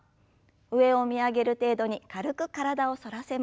上を見上げる程度に軽く体を反らせます。